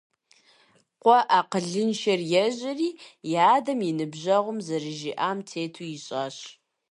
Къуэ акъылыншэр ежьэри и адэм и ныбжьэгъум зэрыжиӀам тету ищӀащ.